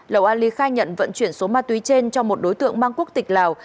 lầu ali khai nhận vận chuyển số ma túy trên cho một đối tượng mang quốc tịch lào